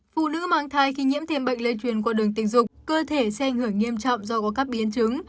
phụ nữ mang thai khi nhiễm thêm bệnh lây truyền qua đường tình dục cơ thể sẽ ảnh hưởng nghiêm trọng do có các biến chứng